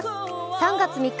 ３月３日